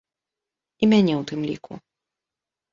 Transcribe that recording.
І мяне ў тым ліку.